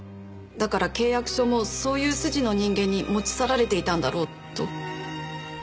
だから契約書もそういう筋の人間に持ち去られていたんだろうと。